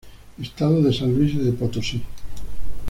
Estado de San Luis Potosí.